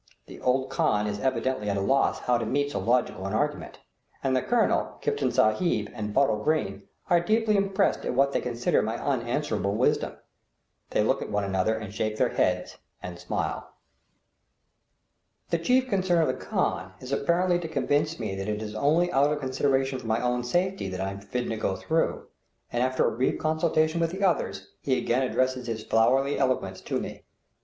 The old khan is evidently at a loss how to meet so logical an argument, and the colonel, Kiftan Sahib, and Bottle Green are deeply impressed at what they consider my unanswerable wisdom. They look at one another and shake their heads and smile. The chief concern of the khan is apparently to convince me that it is only out of consideration for my own safety that I am forbidden to go through, and, after a brief consultation with the others, he again addresses his flowery eloquence to me.